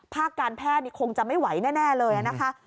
การแพทย์นี่คงจะไม่ไหวแน่เลยนะคะ